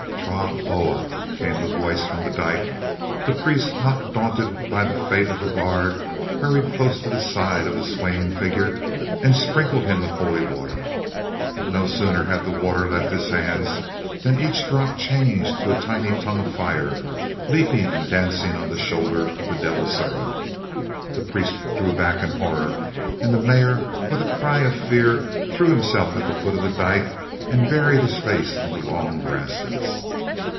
"Tra ohw," came the voice from the dyke. The priest, not daunted by the fate of the guard, hurried close to the side of the swaying figure and sprinkled him with holy water, but no sooner had the water left his hands than each drop changed to a tiny tongue of fire, leaping and dancing on the shoulder of the devil servant. The priest drew back in horror and the Mayor, with a cry of fear, threw himself at the foot of the dyke and buried his face in the long grasses.